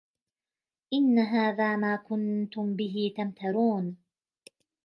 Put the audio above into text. إِنَّ هَذَا مَا كُنْتُمْ بِهِ تَمْتَرُونَ